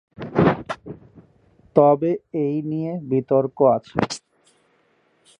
তবে এই নিয়ে বিতর্ক আছে।